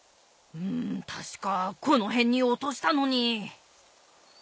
たしかこのへんに落としたのに。